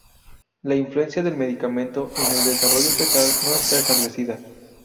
La influencia del medicamento en el desarrollo fetal no está establecida.